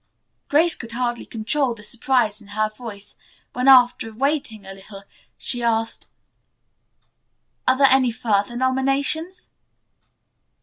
Grace could hardly control the surprise in her voice, when, after waiting a little, she asked: "Are there any further nominations?"